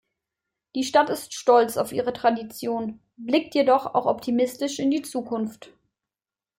Die Stadt ist stolz auf ihre Tradition, blickt jedoch auch optimistisch in die Zukunft.